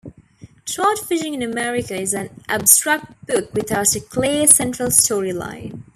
"Trout Fishing In America" is an abstract book without a clear central storyline.